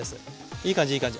いい感じいい感じ。